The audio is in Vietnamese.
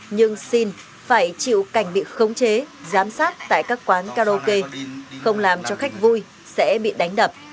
nhưng sinh phải chịu cảnh bị khống chế giám sát tại các quán karaoke không làm cho khách vui sẽ bị đánh đập